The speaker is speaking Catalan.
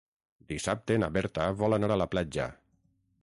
Dissabte na Berta vol anar a la platja.